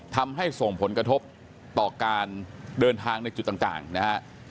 ทำให้ส่งผลกระทบต่อการเดินทางในจุดต่างนะฮะ